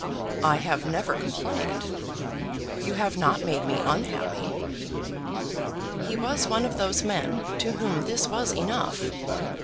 "I have never complained. You have not made me unhappy." He was one of those men to whom this was enough.